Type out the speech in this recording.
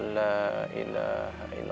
allah ilah ilah